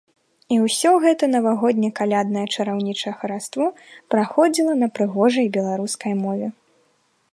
І ўсё гэта навагодне-каляднае чараўнічае хараство праходзіла на прыгожай беларускай мове.